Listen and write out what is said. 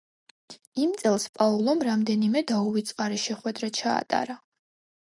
იმ წელს პაოლომ რამდენიმე დაუვიწყარი შეხვედრა ჩაატარა.